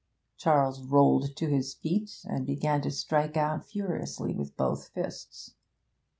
Charles rolled to his feet, and began to strike out furiously with both fists.